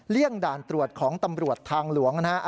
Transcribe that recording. เลี่ยงด่านตรวจของตำรวจทางหลวงนะครับ